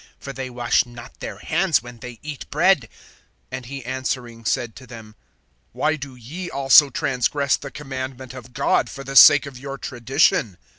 For they wash not their hands when they eat bread. (3)And he answering said to them: Why do ye also transgress the commandment of God, for the sake of your tradition?